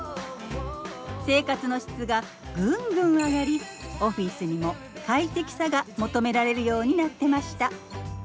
生活の質がぐんぐん上がりオフィスにも快適さが求められるようになってました。